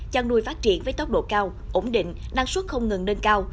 chăn nuôi phát triển với tốc độ cao ổn định năng suất không ngừng nâng cao